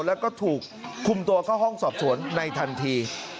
แล้วก็ถูกคุมตัวเข้าห้องสอบสวนในทันที